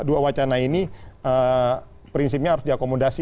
dua wacana ini prinsipnya harus diakomodasi